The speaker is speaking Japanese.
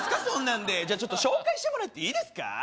そんなんでじゃあちょっと紹介してもらっていいですか？